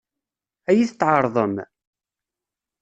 Ad iyi-t-tɛeṛḍem?